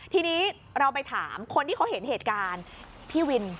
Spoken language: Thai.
ทีนี้เราไปถามคนที่เขาเห็นเหตุการณ์พี่วิน